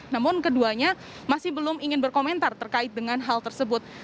namun keduanya masih belum ingin berkomentar terkait dengan hal tersebut